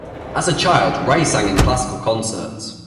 As a child, Rae sang in classical concerts.